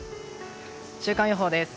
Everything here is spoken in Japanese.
週間予報です。